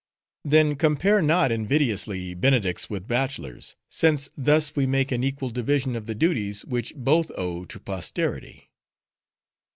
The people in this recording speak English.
Then compare not invidiously Benedicts with bachelors, since thus we make an equal division of the duties, which both owe to posterity."